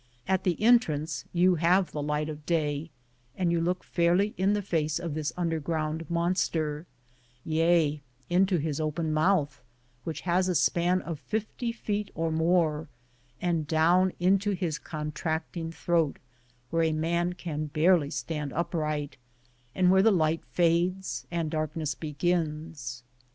At the en trance you have the light of day, and you look fairly in the face of this underground monster, yea, into his open mouth, which has a span of fifty feet or more, and down into his contracting throat, where a man can barely stand upright, and where the light fades and darkness begins.